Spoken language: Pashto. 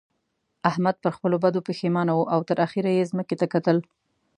احمد پر خپلو بدو پېښمانه وو او تر اخېره يې ځمکې ته کتل.